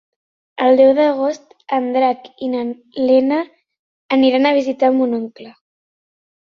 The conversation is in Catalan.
El deu d'agost en Drac i na Lena aniran a visitar mon oncle.